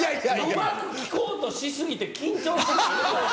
うまく聞こうとし過ぎて、ごめんなさい。